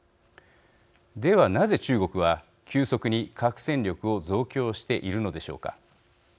ではなぜ中国は急速に核戦力を増強しているのでしょうか。